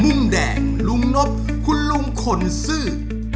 มุมแดงลุงนบคุณลุงขนซื่อ